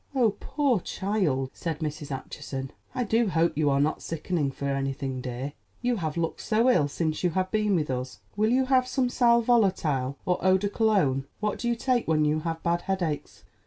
"Oh, poor child," said Mrs. Acheson, "I do hope you are not sickening for anything, dear. You have looked so ill since you have been with us. Will you have some sal volatile or eau de Cologne? What do you take when you have bad headaches?"